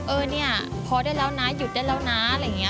เออเนี่ยพอได้แล้วนะหยุดได้แล้วนะอะไรอย่างนี้